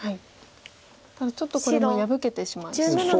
ただちょっとこれも破けてしまいそう。